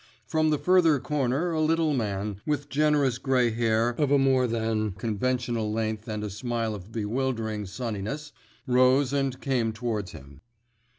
From the further corner a little man, with generous grey hair or a more than conventional length and a smile of bewildering sunniness, rose and came towards him.